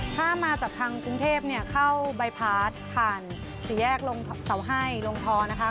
ถ้ามาจากทางกรุงเทพฯเข้าใบพลาดผ่านสี่แยกสาวไห้ลงท้อนะคะ